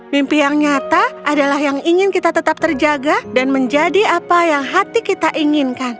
mimpi yang nyata adalah yang ingin kita tetap terjaga dan menjadi